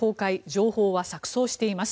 情報は錯そうしています。